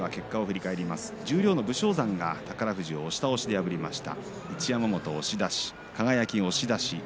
十両の武将山が宝富士を破りました。